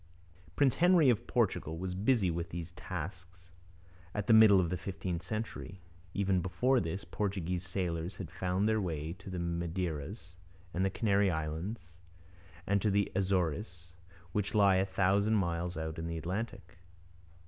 Prince Henry of Portugal was busy with these tasks at the middle of the fifteenth century. Even before this, Portuguese sailors had found their way to the Madeiras and the Canary Islands, and to the Azores, which lie a thousand miles out in the Atlantic.